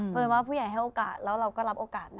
เพราะว่าผู้ใหญ่ให้โอกาสแล้วเราก็รับโอกาสนะ